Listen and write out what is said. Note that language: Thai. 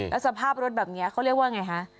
แล้วสภาพรถแบบนี้เขาเรียกว่าไงฮะ